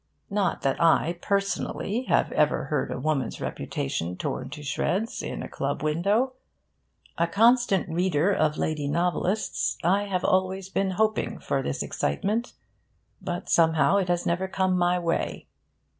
Not that I, personally, have ever heard a woman's reputation torn to shreds in a club window. A constant reader of lady novelists, I have always been hoping for this excitement, but somehow it has never come my way.